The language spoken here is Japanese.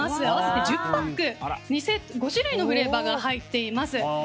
合わせて１０パック５種類のフレーバーが入っています。